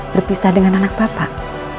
berpisah dengan anak bapak